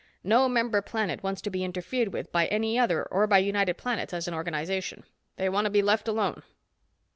No member planet wants to be interfered with by any other or by United Planets as an organization. They want to be left alone.